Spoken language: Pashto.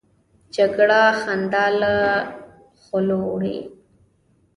جګړه خندا له خولو وړي